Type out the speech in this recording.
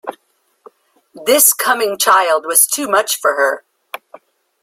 This coming child was too much for her.